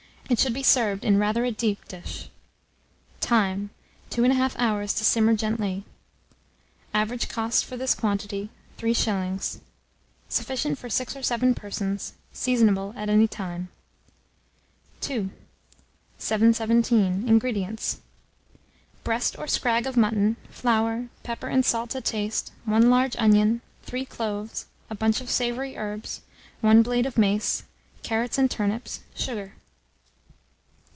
It should be served in rather a deep dish. Time. 2 1/2 hours to simmer gently. Average cost, for this quantity, 3s. Sufficient for 6 or 7 persons. Seasonable at any time. II. 717. INGREDIENTS. Breast or scrag of mutton, flour, pepper and salt to taste, 1 large onion, 3 cloves, a bunch of savoury herbs, 1 blade of mace, carrots and turnips, sugar.